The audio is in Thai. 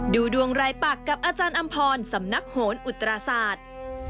ดูดวงรายปักกับอาจารย์อำพรสำนักโหนอุตราศาสตร์